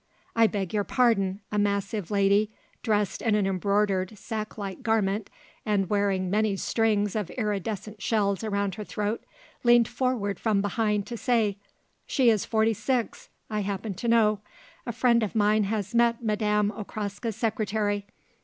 "I beg your pardon," a massive lady dressed in an embroidered sack like garment, and wearing many strings of iridescent shells around her throat, leaned forward from behind to say: "She is forty six; I happen to know; a friend of mine has met Madame Okraska's secretary.